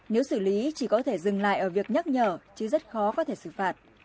nếu xử lý chỉ có thể dừng lại ở việc nhắc nhở chứ rất khó có thể xử phạt